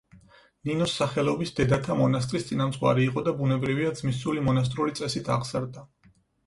ნინოს სახელობის დედათა მონასტრის წინამძღვარი იყო და ბუნებრივია ძმისწული მონასტრული წესით აღზარდა.